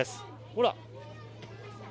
ほら。